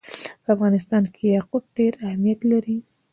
په افغانستان کې یاقوت ډېر اهمیت لري.